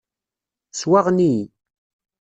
Swaɣen-iyi.